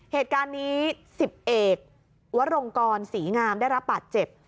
เหตุการณ์นี้๑๐เอกวรงกรศรีงามได้รับบาดเจ็บ